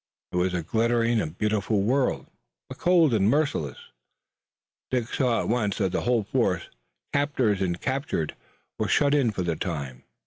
It was a glittering and beautiful world, but cold and merciless. Dick saw at once that the whole force, captors and captured, was shut in for the time.